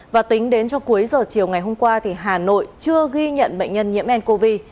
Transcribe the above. và tính đến cho cuối giờ chiều ngày hôm qua thì hà nội chưa ghi nhận bệnh nhân nhiễm ncov